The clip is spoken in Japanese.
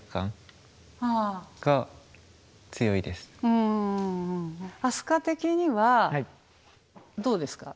うんあすか的にはどうですか？